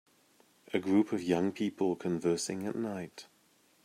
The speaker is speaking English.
A group of young people conversing at night.